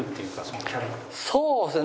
そうですね。